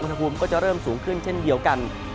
อุณหภูมิก็จะเริ่มสูงขึ้นเช่นเดียวกัน